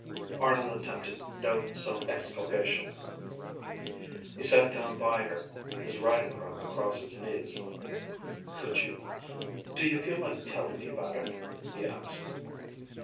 Arnold attempted no self exculpation. He sat down by her, his riding crop across his knees. "Could you do you feel like telling me about it?" he asked.